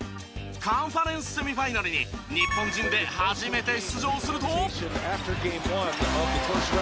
カンファレンスセミファイナルに日本人で初めて出場すると。